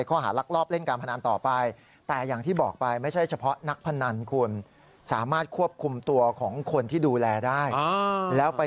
อีก๕๐๐๐๐บาทที่ป้าจะลงไป